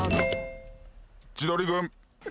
千鳥軍。